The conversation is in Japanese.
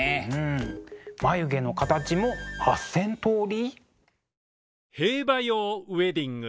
眉毛の形も８，０００通り？